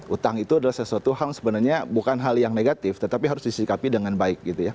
utang itu adalah sesuatu hal sebenarnya bukan hal yang negatif tetapi harus disikapi dengan baik gitu ya